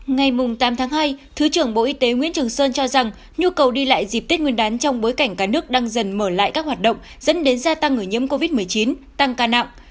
ngày tám tháng hai thứ trưởng bộ y tế nguyễn trường sơn cho rằng nhu cầu đi lại dịp tết nguyên đán trong bối cảnh cả nước đang dần mở lại các hoạt động dẫn đến gia tăng người nhiễm covid một mươi chín tăng ca nặng